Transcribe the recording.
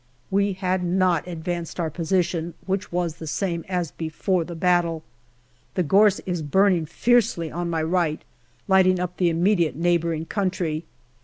We had not advanced our position, which was the same as before the battle. The gorse is burning fiercely on my right, lighting up the immediate neighbouring country.